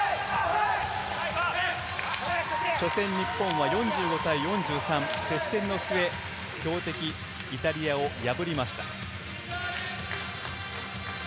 初戦、日本は４５対４３、接戦の末、強敵イタリアを破りました。